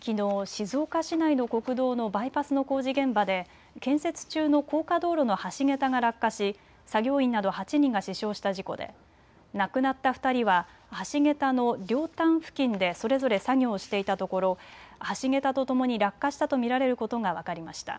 静岡市内の国道のバイパスの工事現場で建設中の高架道路の橋桁が落下し作業員など８人が死傷した事故で亡くなった２人は橋桁の両端付近でそれぞれ作業をしていたところ橋桁とともに落下したと見られることが分かりました。